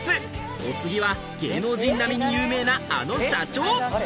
お次は芸能人並みに有名なあの社長！